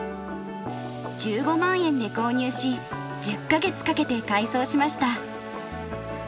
１５万円で購入し１０か月かけて改装しました。